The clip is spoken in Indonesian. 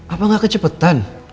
apa gak kecepetan